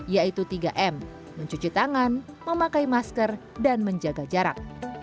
yaitu tiga m mencuci tangan memakai masker dan menjaga jarak